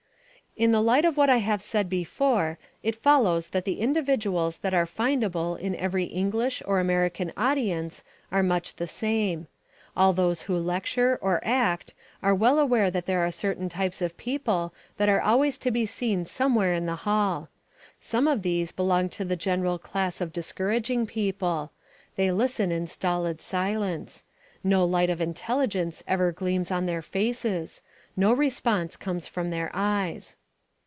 In the light of what I have said before it follows that the individuals that are findable in every English or American audience are much the same. All those who lecture or act are well aware that there are certain types of people that are always to be seen somewhere in the hall. Some of these belong to the general class of discouraging people. They listen in stolid silence. No light of intelligence ever gleams on their faces; no response comes from their eyes.